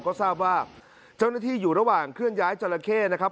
ก็ทราบว่าเจ้าหน้าที่อยู่ระหว่างเคลื่อนย้ายจราเข้นะครับ